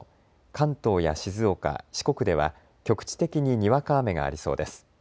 関東や静岡、四国では局地的ににわか雨がありそうです。